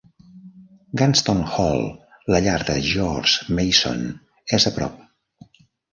Gunston Hall, la llar de George Mason, és a prop.